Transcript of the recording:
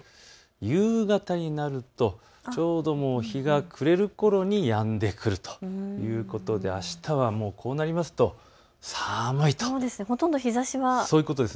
夕方になるとちょうど日が暮れるころにやんでくるということであしたはこうなると寒いです。